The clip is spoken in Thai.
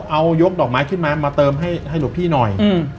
เอายกดอกไม้ขึ้นมามาเติมให้หลวงพี่หน่อย